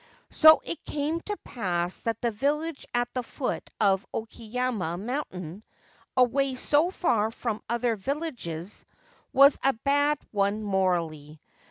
So it came to pass that the village at the foot of Oki yama mountain — away so far from other villages — was a bad one morally.